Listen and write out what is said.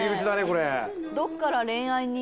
これ。